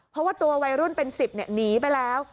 เพราะว่าตัววัยรุ่นเป็น๑๐หนีไปแล้ว